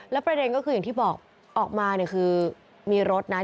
แล้วประเด็นก็คืออย่างที่บอกออกมาคือมีรถนะ